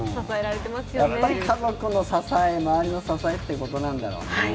やっぱり家族の支え周りの支えってことなんだろうね。